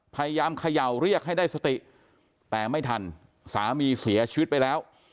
เขย่าเรียกให้ได้สติแต่ไม่ทันสามีเสียชีวิตไปแล้ว